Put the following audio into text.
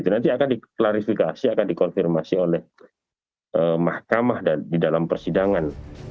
nanti akan diklarifikasi akan dikonfirmasi oleh mahkamah di dalam persidangan